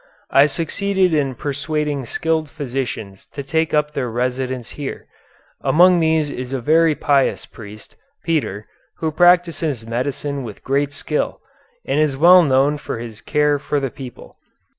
I succeeded in persuading skilled physicians to take up their residence here. Among these is a very pious priest, Peter, who practises medicine with great skill, and is well known for his care for the people.